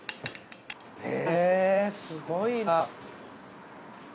へぇすごいな。